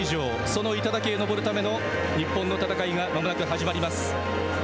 その頂へ上るための日本の戦いがまもなく始まります。